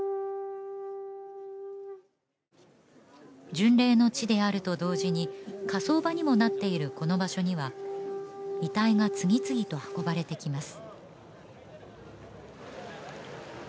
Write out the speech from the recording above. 巡礼の地であると同時に火葬場にもなっているこの場所には遺体が次々と運ばれてきます